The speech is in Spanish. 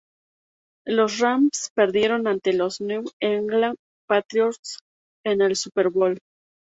Los Rams perdieron ante los New England Patriots en el Super Bowl.